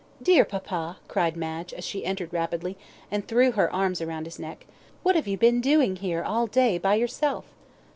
"Dear papa," cried Madge, as she entered rapidly, and threw her arms around his neck, "what have you been doing here all day by yourself?"